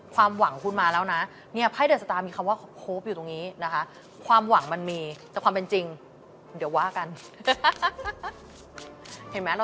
ความหวังของคุณมาแล้วนะ